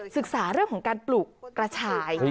ศึกษาเรื่องของการปลูกกระชาย